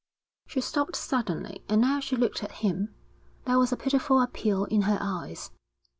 She stopped suddenly, and now she looked at him. There was a pitiful appeal in her eyes.